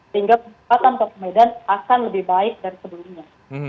sehingga pendapatan kota medan akan lebih baik dari sebelumnya